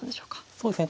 そうですね